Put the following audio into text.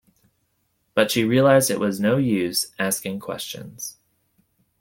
But she realised it was no use asking questions.